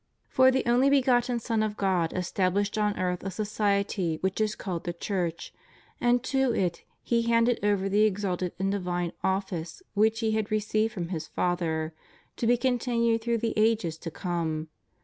For the only begotten Son of God estabhshed on earth a society which is called the Church, and to it He handed over the exalted and divine office which He had received from His Father, to be continued through the ages to come.